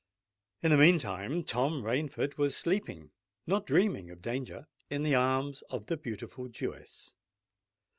In the meantime, Tom Rainford was sleeping, not dreaming of danger, in the arms of the beautiful Jewess.